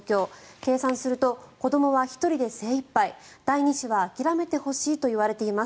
計算すると子どもは１人で精いっぱい第２子は諦めてほしいといわれています。